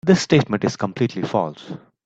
This statement is completely false.